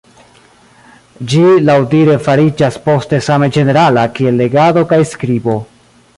Ĝi laŭdire fariĝas poste same ĝenerala kiel legado kaj skribo.